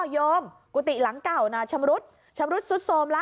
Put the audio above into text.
โยมกุฏิหลังเก่าน่ะชำรุดชำรุดซุดโทรมละ